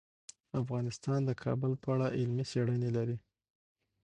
افغانستان د کابل په اړه علمي څېړنې لري.